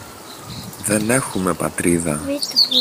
Δεν έχουμε Πατρίδα!